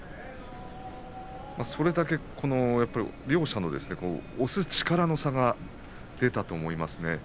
それだけ両者の押す力の差が出たと思いますね。